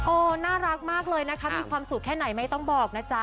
น่ารักมากเลยนะคะมีความสุขแค่ไหนไม่ต้องบอกนะจ๊ะ